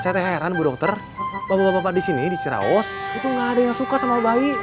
saya tak heran bu dokter bapak bapak di sini di cirawas itu nggak ada yang suka sama bayi